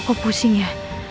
kok pusing ya